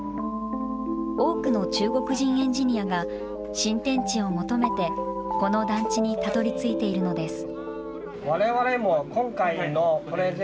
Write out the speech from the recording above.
多くの中国人エンジニアが、新天地を求めて、この団地にたどりついているのです。